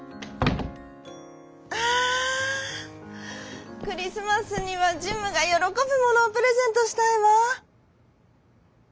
「あクリスマスにはジムがよろこぶものをプレゼントしたいわ！」。